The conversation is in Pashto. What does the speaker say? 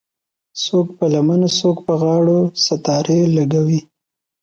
څوک په لمنو څوک په غاړو ستارې لګوي